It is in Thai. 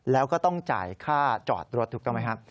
แล้วก็ต้องจ่ายค่าจอดรถถูกต้องไหมครับ